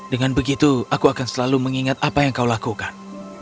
dengan begitu aku akan selalu mengingat apa yang kau lakukan